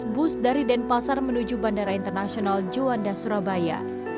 bus dari denpasar menuju bandara internasional juanda surabaya